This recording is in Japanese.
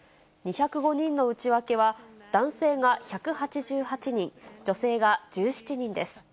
２０５人の内訳は、男性が１８８人、女性が１７人です。